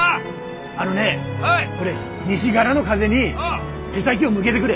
あのねこれ西がらの風に舳先を向けでくれ。